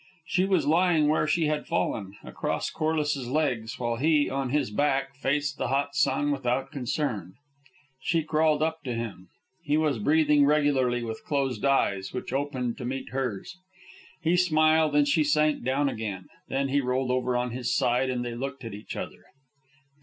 She was lying where she had fallen, across Corliss's legs, while he, on his back, faced the hot sun without concern. She crawled up to him. He was breathing regularly, with closed eyes, which opened to meet hers. He smiled, and she sank down again. Then he rolled over on his side, and they looked at each other.